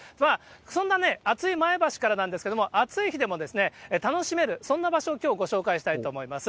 そんな暑い前橋からなんですが、暑い日でも楽しめる、そんな場所をきょう、ご紹介したいと思います。